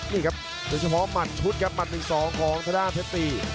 นี่ครับโดยเฉพาะมัดชุดครับมันที่สองของธนาปฤติ